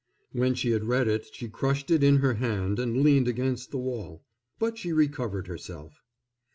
When she had read it she crushed it in her hand and leaned against the wall. But she recovered herself.